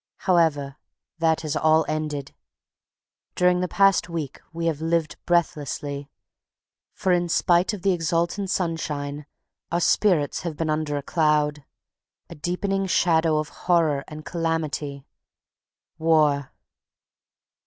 However, that is all ended. During the past week we have lived breathlessly. For in spite of the exultant sunshine our spirits have been under a cloud, a deepening shadow of horror and calamity. ... WAR.